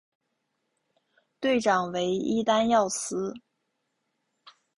队长为伊丹耀司。